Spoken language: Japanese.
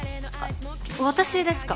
私ですか？